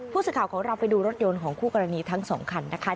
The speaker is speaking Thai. ผู้สื่อข่าวของเราไปดูรถยนต์ของคู่กรณีทั้งสองคันนะคะ